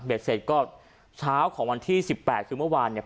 เบ็ดเสร็จก็เช้าของวันที่๑๘คือเมื่อวานเนี่ย